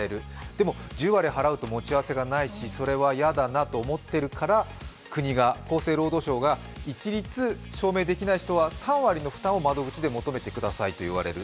でも１０割払うと持ち合わせはないし、それが嫌だなと思っているから国が、厚生労働省が一律証明できない人は３割の負担を窓口で求めてくださいと言われる。